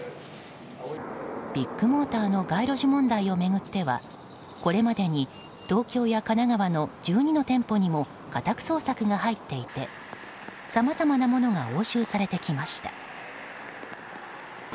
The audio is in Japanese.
ビッグモーターの街路樹問題を巡ってはこれまでに東京や神奈川の１２の店舗にも家宅捜索が入っていてさまざまなものが押収されてきました。